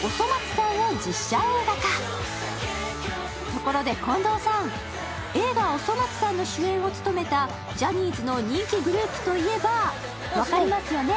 ところで近藤さん、映画「おそ松さん」の主演を務めたジャニーズの人気グループといえば分かりますよね？